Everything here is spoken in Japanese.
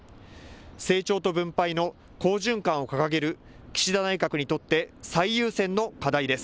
成長と分配の好循環を掲げる岸田内閣にとって最優先の課題です。